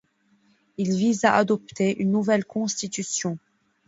Il vise à adopter une nouvelle constitution.